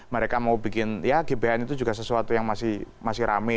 mereka mau bikin ya gbhn itu juga sesuatu yang masih rame